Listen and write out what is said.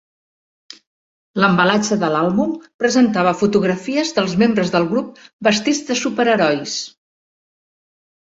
L'embalatge de l'àlbum presentava fotografies dels membres del grup vestits de superherois.